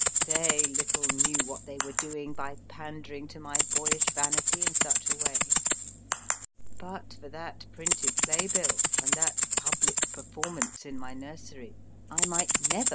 They little knew what they were doing by pandering to my boyish vanity in such a way. But for that printed playbill, and that public performance in my nursery, I might never have GEORGE R.